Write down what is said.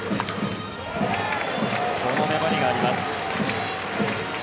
この粘りがあります。